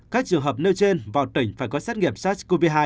các trường hợp nêu trên vào tỉnh phải có xét nghiệm sars cov hai